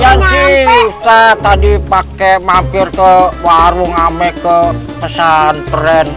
janji ustadz tadi pakai mampir ke warung ame ke pesantren